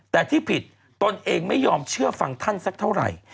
แต่ที่ผิดตนเองไม่ยอมเชื่อฟังท่านสักเท่าไหร่